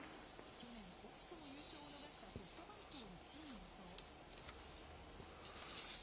去年、惜しくも優勝を逃したソフトバンクを１位に予想。